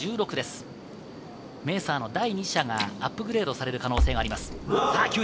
メーサーの第２射がアップグレードされる可能性があります。